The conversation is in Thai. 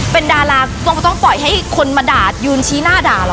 เป็นดาราต้องปล่อยให้คนมาด่ายืนชี้หน้าด่าเหรอ